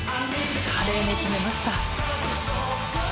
華麗に決めました。